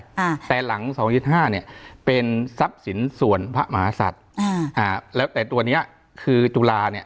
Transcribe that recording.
ใช่แต่หลัง๒๕๒๕เนี่ยเป็นทรัพย์สินส่วนพระมหาศัตริย์แล้วแต่ตัวเนี้ยคือจุฬาเนี่ย